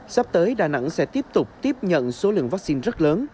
sắp tới đà nẵng sẽ tiếp tục tiếp nhận số lượng vaccine rất lớn